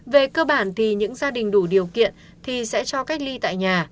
về cơ bản thì những gia đình đủ điều kiện thì sẽ cho cách ly tại nhà